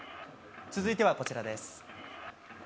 続いてはこちらです。